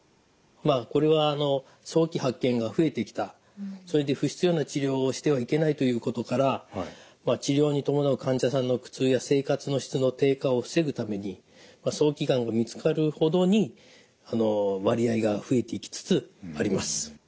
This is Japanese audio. まあこれは早期発見が増えてきたそれで不必要な治療をしてはいけないということから治療に伴う患者さんの苦痛や生活の質の低下を防ぐために早期がんが見つかるほどに割合が増えてきつつあります。